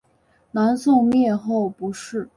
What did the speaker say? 南宋灭后不仕。